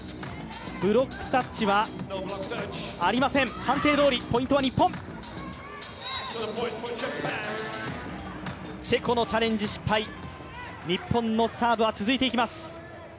ブロックタッチはありません判定どおり、ポイントは日本チェコのチャレンジ失敗、日本のサーブは続いていきます。